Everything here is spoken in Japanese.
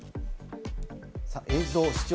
映像視聴